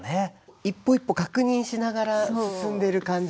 一歩一歩確認しながら進んでる感じが。